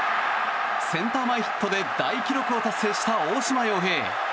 センター前ヒットで大記録を達成した大島洋平。